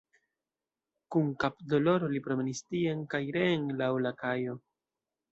Kun kapdoloro li promenis tien kaj reen laŭ la kajo.